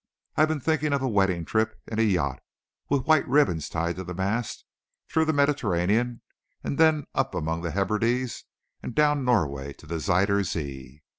I've been thinking of a wedding trip in a yacht with white ribbons tied to the mast, through the Mediterranean, and then up among the Hebrides and down Norway to the Zuyder Zee."